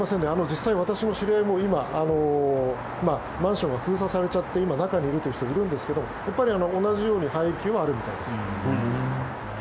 実際、私の知り合いも今、マンションが封鎖されちゃって今、中にいるという人がいるんですが同じように配給はあるみたいです。